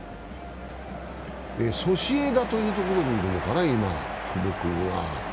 ソシエダというところに今、いるのかな、久保君は。